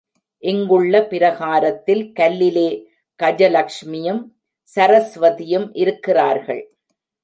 இங்குள்ள பிரகாரத்தில் கல்லிலே கஜலக்ஷ்மியும், சரஸ்வதியும் இருக்கிறார்கள்.